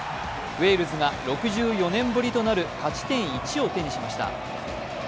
ウェールズが６４年ぶりとなる勝ち点１を手にしました。